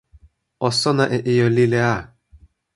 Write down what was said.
o sona e ijo lili a.